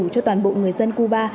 cho toàn bộ người dân cuba